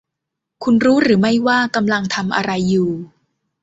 คุณรู้หรือไม่ว่ากำลังทำอะไรอยู่